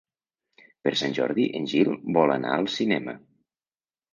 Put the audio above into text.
Per Sant Jordi en Gil vol anar al cinema.